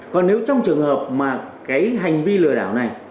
còn nếu trong trường hợp mà cái hành vi lừa đảo này